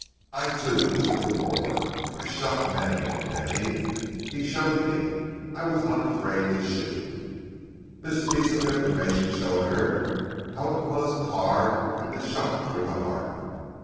I too, was in the war. I shot many oh many. He showed me; I was not afraid to shoot." "This piece of information showed Herrick how it was Carr had been shot through the heart.